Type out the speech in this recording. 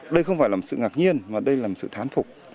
đây không phải là một sự ngạc nhiên mà đây là một sự thán phục